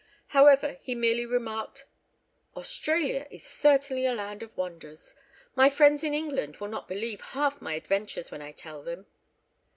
However he merely remarked—"Australia is certainly a land of wonders—my friends in England will not believe half my adventures when I tell them."